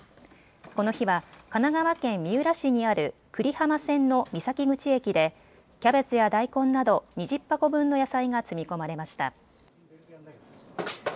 この日は神奈川県三浦市にある久里浜線の三崎口駅でキャベツや大根など２０箱分の野菜が積み込まれました。